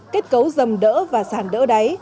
kết cấu rầm đỡ và sàn đỡ đáy